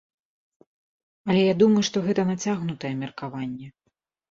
Але я думаю, што гэта нацягнутае меркаванне.